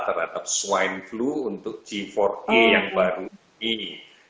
terhadap swine flu untuk g empat g yang baru ini